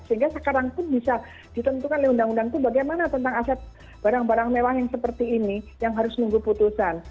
sehingga sekarang pun bisa ditentukan oleh undang undang itu bagaimana tentang aset barang barang mewah yang seperti ini yang harus menunggu putusan